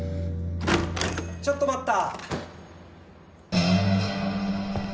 ・・ちょっと待った。